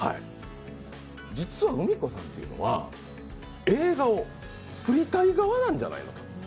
実はうみ子さんっていうのは、映画を作りたい側じゃないの？